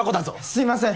すいません。